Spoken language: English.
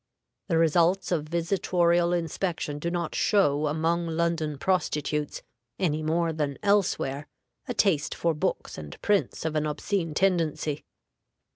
The results of visitorial inspection do not show among London prostitutes, any more than elsewhere, a taste for books and prints of an obscene tendency.